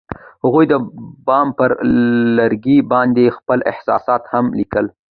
هغوی د بام پر لرګي باندې خپل احساسات هم لیکل.